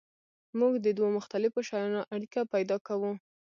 موږ د دوو مختلفو شیانو اړیکه پیدا کوو.